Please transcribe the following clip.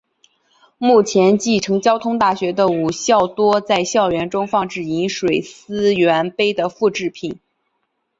目前继承交通大学的五校多在校园中放置饮水思源碑的复制品。